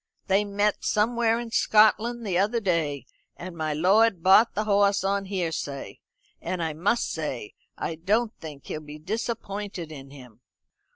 They met somewhere in Scotland the other day and my lord bought the hoss on hearsay; and I must say I don't think he'll be disappointed in him."